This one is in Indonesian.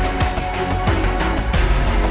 jangan lupa like share dan subscribe ya